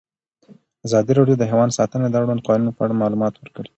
ازادي راډیو د حیوان ساتنه د اړونده قوانینو په اړه معلومات ورکړي.